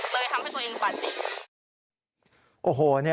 เลยทำให้ตัวเองบาดเจ็บ